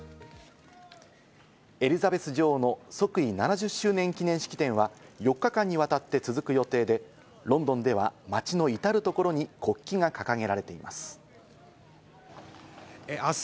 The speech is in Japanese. エリザベス女王の即位７０周年記念式典は４日間にわたって続く予定で、ロンドンでは街のいたるところに国旗が掲げられています。